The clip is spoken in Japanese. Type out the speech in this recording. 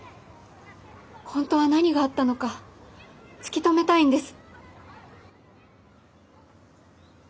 本当は何があったのか突き止めたいんです。